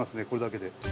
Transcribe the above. これだけで。